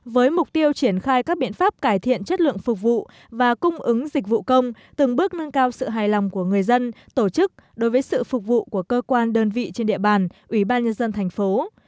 với mục tiêu triển khai các biện pháp cải thiện chất lượng phục vụ và cung ứng dịch vụ công từng bước nâng cao sự hài lòng của người dân tổ chức đối với sự phục vụ của cơ quan đơn vị trên địa bàn ủy ban nhân dân thành phố